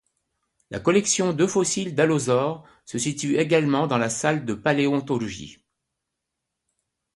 La collection d'œufs fossiles d'allosaures se situe également dans la salle de paléontologie.